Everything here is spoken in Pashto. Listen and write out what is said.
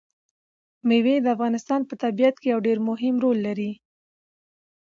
مېوې د افغانستان په طبیعت کې یو ډېر مهم رول لري.